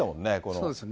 そうですね。